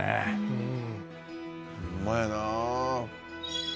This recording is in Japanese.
「うん」